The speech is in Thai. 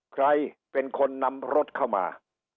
ใครเป็นคนนำรถเข้ามา